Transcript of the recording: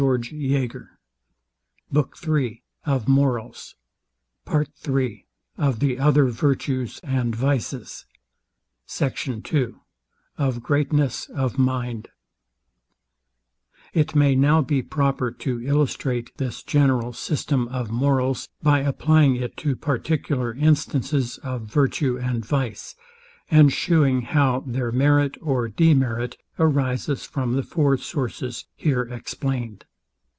We have treated of this more fully on another occasion. SECT. II OF GREATNESS OF MIND It may now be proper to illustrate this general system of morals, by applying it to particular instances of virtue and vice, and shewing how their merit or demerit arises from the four sources here explained.